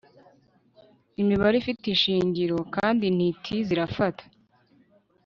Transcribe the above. Imibare ifite ishingiro kandi intiti zirafata